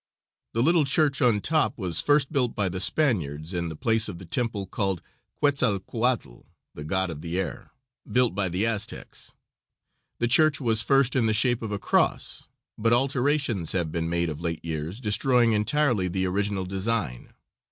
The little church on top was first built by the Spaniards in the place of the temple called Quetzalcoatl (the God of the air), built by the Aztecs. The church was first in the shape of a cross, but alterations have been made of late years, destroying entirely the original design.